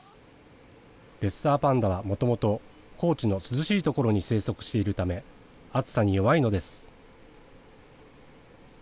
レッサーパンダはもともと、高地の涼しい所に生息しているため、暑さに弱いのです。